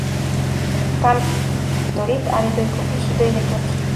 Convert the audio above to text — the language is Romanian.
Familie: căsătorit, are doi copii și doi nepoți.